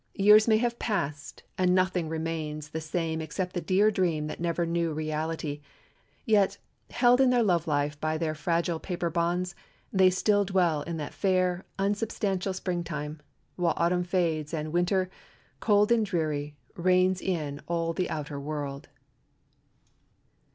Years may have passed, and nothing remains the same except the dear dream that never knew reality, yet, held in their love life by their fragile paper bonds, they still dwell in that fair, unsubstantial Spring time, while Autumn fades and Winter, cold and dreary, reigns in all the outer world.